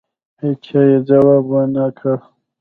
هېچا یې ځواب ونه کړ.